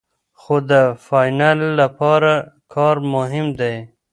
خو د فاینل لپاره کار مهم دی.